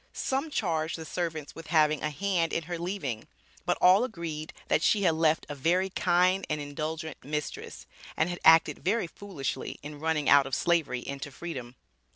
Some charged the servants with having a hand in her leaving, but all agreed that "she had left a very kind and indulgent mistress," and had acted very foolishly in running out of Slavery into Freedom.